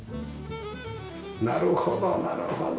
なるほどなるほど。